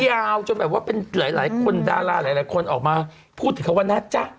ยาวจนแบบว่าเป็นหลายคนดาราหลายคนออกมาพูดถึงเขาว่านะจ๊ะ